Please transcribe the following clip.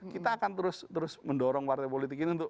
kita akan terus mendorong partai politik ini untuk